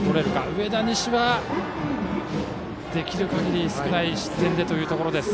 上田西はできる限り少ない失点でというところです。